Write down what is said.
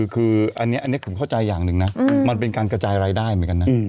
คืออันนี้ผมเข้าใจอย่างหนึ่งนะมันเป็นการกระจายรายได้เหมือนกันนะ